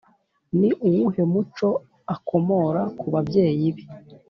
Ni uwuhe muco akomora ku babyeyi be